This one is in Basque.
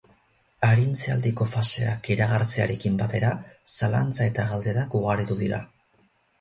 Arintze aldiko faseak iragartzearekin batera, zalantza eta galderak ugaritu dira.